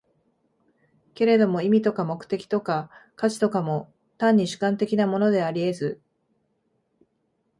けれども意味とか目的とか価値とかも、単に主観的なものであり得ず、